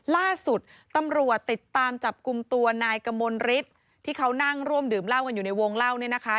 ล่าสุดตำรวจติดตามจับกลุ่มตัวนายกมลฤทธิ์ที่เขานั่งร่วมดื่มเหล้ากันอยู่ในวงเล่าเนี่ยนะคะ